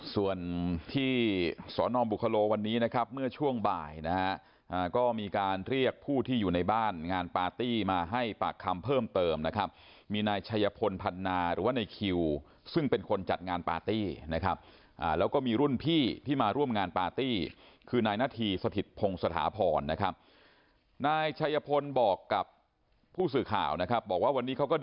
ส่วนที่สอนอบุคโลวันนี้นะครับเมื่อช่วงบ่ายนะฮะก็มีการเรียกผู้ที่อยู่ในบ้านงานปาร์ตี้มาให้ปากคำเพิ่มเติมนะครับมีนายชัยพลพันนาหรือว่าในคิวซึ่งเป็นคนจัดงานปาร์ตี้นะครับแล้วก็มีรุ่นพี่ที่มาร่วมงานปาร์ตี้คือนายนาธีสถิตพงศถาพรนะครับนายชัยพลบอกกับผู้สื่อข่าวนะครับบอกว่าวันนี้เขาก็ด